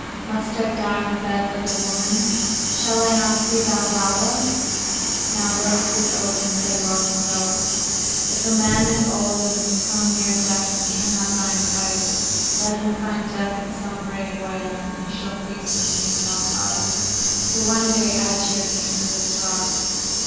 Must I die in bed like a woman? Shall I not see Valhalla?' "Now thus did Odin say long ago: "'If a man is old and is come near death and cannot die in fight, let him find death in some brave way and he shall feast with me in Valhalla.' "So one day Aegir came to this rock.